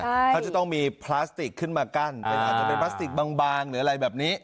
เขาจะต้องมีพลาสติกขึ้นมากั้นอาจจะเป็นพลาสติกบางหรืออะไรแบบนี้